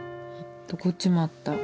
こっちもあった。